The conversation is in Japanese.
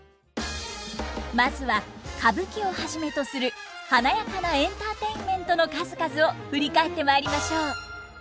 まずは歌舞伎をはじめとする華やかなエンターテインメントの数々を振り返ってまいりましょう。